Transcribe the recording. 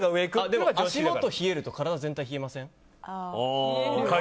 でも、足元冷えると体全体が冷えませんか？